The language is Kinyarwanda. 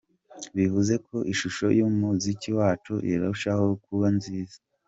Bivuze ko ishusho y'umuziki wacu irarushaho kuba nziza.